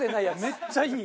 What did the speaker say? めっちゃいい！